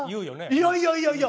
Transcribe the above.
いやいやいやいや！